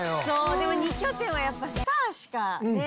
でも２拠点はやっぱスターしかねっ？